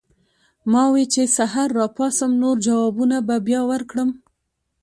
ما وې چې سحر راپاسم نور جوابونه به بیا ورکړم